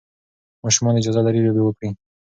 ماشومان اجازه لري لوبې وکړي.